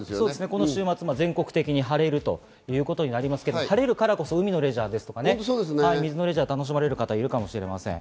この週末、全国的に晴れるということになりますけど、晴れるからこそ海のレジャーとかね、水のレジャーを楽しまれる方もいるかもしれません。